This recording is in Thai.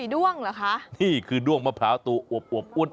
ดุ้งมะพร้าวตัวอวบ